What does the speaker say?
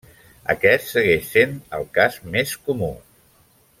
Aquest segueix sent el cas més comú.